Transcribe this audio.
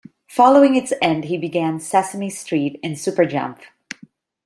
Following its end, he began "Sesame Street" in "Super Jump".